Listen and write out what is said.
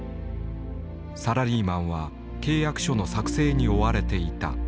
サラリーマンは契約書の作成に追われていた。